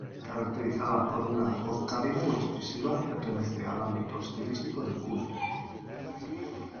Caracterizada por una voz cálida y expresiva, pertenece al ámbito estilístico del "cool".